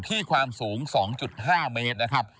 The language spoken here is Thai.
ที่ความสูง๒๕เมตร